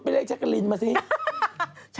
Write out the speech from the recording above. ชื่นครีมดิน้ำ